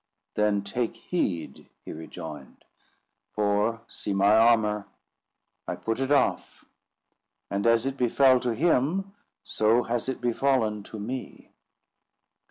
"Then take heed," he rejoined; "for, see my armour—I put it off; and as it befell to him, so has it befallen to me.